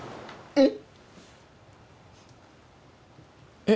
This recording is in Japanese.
えっ？